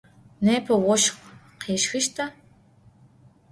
Nêpe voşx khêşxışta?